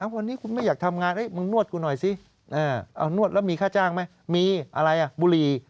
วันนี้คุณไม่อยากทำงานมึงนวดกูหน่อยสิเอานวดแล้วมีค่าจ้างไหมมีอะไรบุหรี่